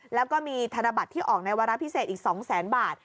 แล้วก็มีธนบัตรที่ออกในวาระพิเศษอีก๒แสนบาท